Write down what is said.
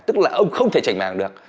tức là ông không thể chảnh màng được